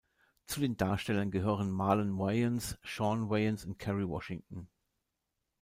Zu den Darstellern gehören Marlon Wayans, Shawn Wayans und Kerry Washington.